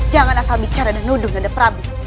jangan asal bicara dan nuduh dengan nanda prabu